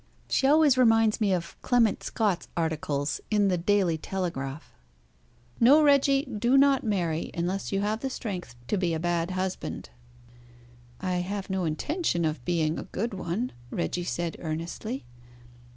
She always reminds me of Clement Scott's articles in the Daily Telegraph. No, Reggie, do not marry unless you have the strength to be a bad husband." "I have no intention of being a good one," Reggie said earnestly.